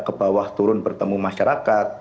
ke bawah turun bertemu masyarakat